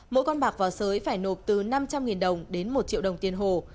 mỗi con bạc vào sới phải nộp từ năm trăm linh đồng đến một triệu đồng tiền hồ